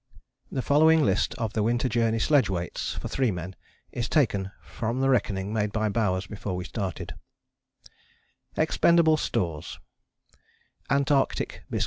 The following list of the Winter Journey sledge weights (for three men) is taken from the reckoning made by Bowers before we started: Expendible Stores lbs.